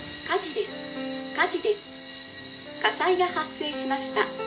火災が発生しました」